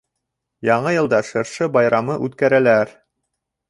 Яңы йылда шыршы байрамы үткәрәләр